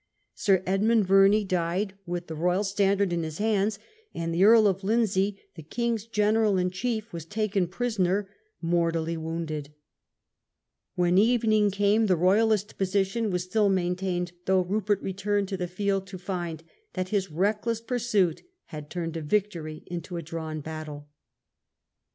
Sir Edmund Verney died with the THREE ROYALIST CENTRES. 43 Royal Standard in his hands, and the Earl of Lindsey, the king's general in chief, was taken prisoner, mortally wounded. When evening came the Royalist position was still maintained, though Rupert returned to the field to find that his reckless pursuit had turned a victory into a drawn battle.